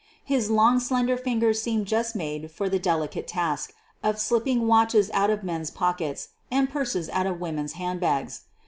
His long, slender fingers seemed just made for the delicate task of slipping watches out of men's pockets and purses out of women's handbags.